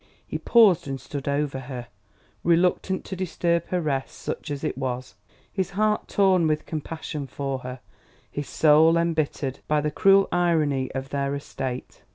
He paused and stood over her, reluctant to disturb her rest, such as it was, his heart torn with compassion for her, his soul embittered by the cruel irony of their estate.